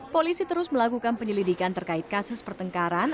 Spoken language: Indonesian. polisi terus melakukan penyelidikan terkait kasus pertengkaran